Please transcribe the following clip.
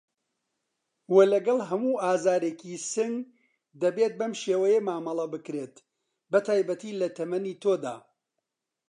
وه لەگەڵ هەموو ئازارێکی سنگ دەبێت بەم شێوەیە مامەڵه بکرێت بەتایبەت لە تەمەنی تۆدا